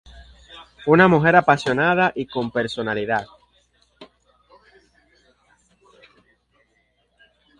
Una mujer apasionada y con personalidad.